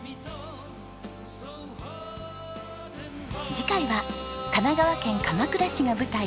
次回は神奈川県鎌倉市が舞台。